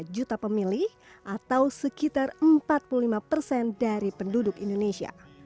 satu empat juta pemilih atau sekitar empat puluh lima persen dari penduduk indonesia